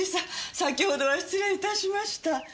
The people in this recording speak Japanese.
先ほどは失礼致しました。